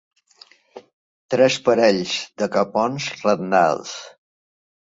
Tres parells de capons rendals.